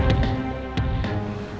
aku mau pergi